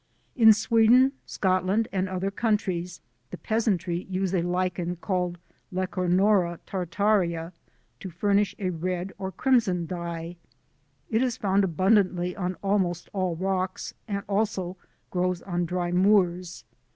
In Sweden, Scotland and other countries the peasantry use a Lichen, called Lecanora tartarea to furnish a red or crimson dye. It is found abundantly on almost all rocks, and also grows on dry moors.